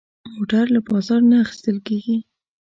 موټر له بازار نه اخېستل کېږي.